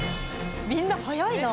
みんな早いな！